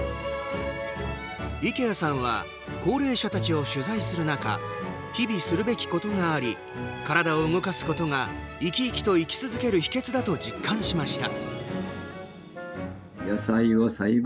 池谷さんは高齢者たちを取材する中日々するべきことがあり体を動かすことが生き生きと生き続ける秘けつだと実感しました。